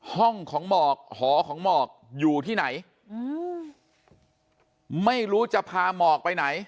ห้องของหมอกหอของหมอกอยู่ที่ไหนอืมไม่รู้จะพาหมอกไปไหน